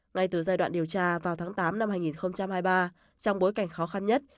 ngay từ giai đoạn điều tra vào tháng tám năm hai nghìn hai mươi ba trong bối cảnh khó khăn nhất